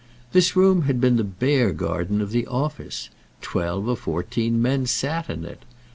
This room had been the bear garden of the office. Twelve or fourteen men sat in it.